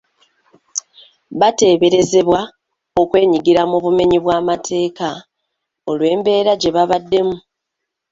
Bateebereza okwenyigira mu bumenyi bw’amateeka olw’embeera gye baabaddemu.